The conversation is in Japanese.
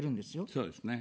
そうですね。